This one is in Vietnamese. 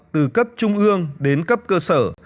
từ cấp trung ương đến cấp cơ sở